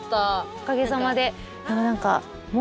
おかげさまで。